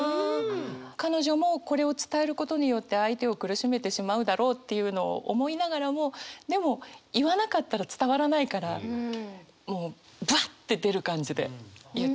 彼女もこれを伝えることによって相手を苦しめてしまうだろうっていうのを思いながらもでも言わなかったら伝わらないからもうぶわって出る感じで言ったっていう。